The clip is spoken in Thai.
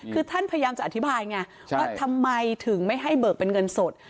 คือท่านพยายามจะอธิบายไงว่าทำไมถึงไม่ให้เบิกเป็นเงินสด